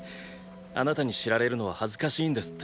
あなたに知られるのは恥ずかしいんですって。